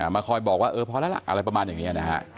มาคอยบอกว่าเออพอแล้วล่ะอะไรประมาณอย่างนี้นะฮะ